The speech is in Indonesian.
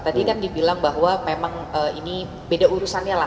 tadi kan dibilang bahwa memang ini beda urusannya lah